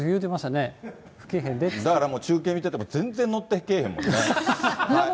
だから中継見てても、全然乗ってけえへんもんね。